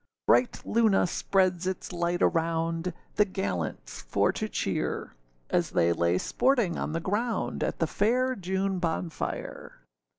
Bright Luna spreads its light around, The gallants for to cheer; As they lay sporting on the ground, At the fair June bonfire.